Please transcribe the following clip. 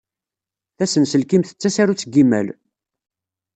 Tasenselkimt d tasarut n yimal!